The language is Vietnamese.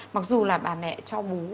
mặc dù là bà mẹ cho bú